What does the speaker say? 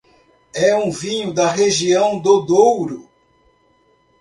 É um vinho da região do Douro.